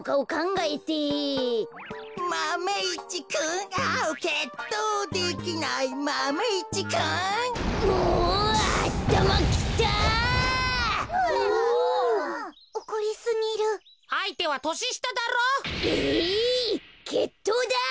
えいけっとうだ！